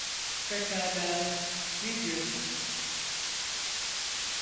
Pekala, ne diyorsun?